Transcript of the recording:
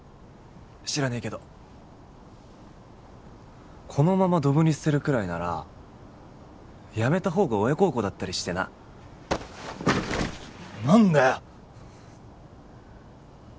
知らねえけどこのままドブに捨てるくらいならやめた方が親孝行だったりしてな何だよ！